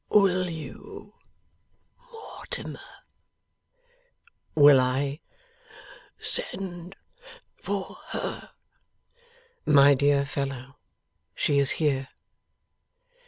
'Will you, Mortimer ' 'Will I ? 'Send for her?' 'My dear fellow, she is here.